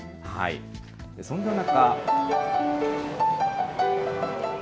そんな中。